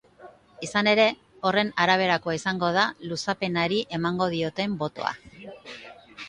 Izan ere, horren araberakoa izango da luzapenari emango dioten botoa.